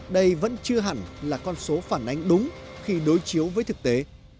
đây vẫn chưa hẳn là con số phản ánh đúng khi đối chiếu với thực tế